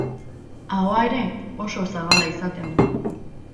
Ahoa ere oso zabala izaten du.